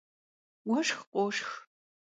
Vueşşx khoşşx.